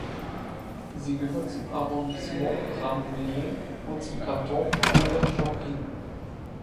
Sie gehört zum Arrondissement Rambouillet und zum Kanton Aubergenville.